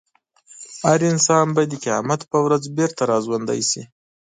هر انسان به د قیامت په ورځ بېرته راژوندی شي.